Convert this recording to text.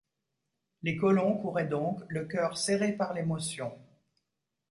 Les colons couraient donc, le cœur serré par l’émotion